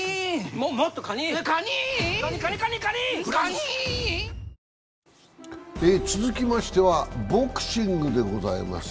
ニトリ続きましてはボクシングでございます。